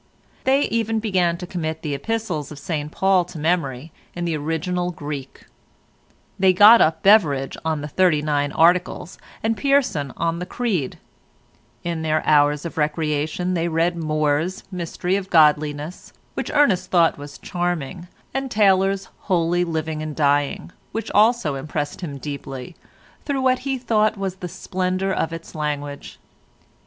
They even began to commit the Epistles of St Paul to memory in the original Greek. They got up Beveridge on the Thirty nine Articles, and Pearson on the Creed; in their hours of recreation they read More's "Mystery of Godliness," which Ernest thought was charming, and Taylor's "Holy Living and Dying," which also impressed him deeply, through what he thought was the splendour of its language.